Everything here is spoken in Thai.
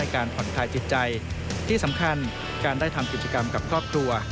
การผ่อนคลายจิตใจที่สำคัญการได้ทำกิจกรรมกับครอบครัว